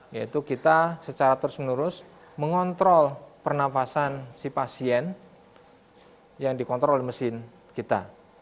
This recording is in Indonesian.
yaitu kita secara terus menerus mengontrol pernafasan si pasien yang dikontrol oleh mesin kita